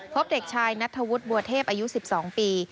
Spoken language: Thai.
พบเด็กชายนัตฑวุทธบัวเทพอายุสิบสองปี